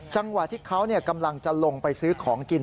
จังหวะที่เขากำลังจะลงไปซื้อของกิน